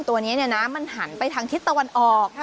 ตัวนี้มันหันไปทางทิศตะวันออก